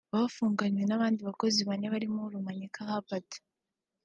Bafunganywe n’abandi bakozi bane barimo Rumanyika Hubert